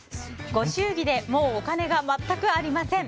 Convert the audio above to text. ご祝儀でもう、お金が全くありません。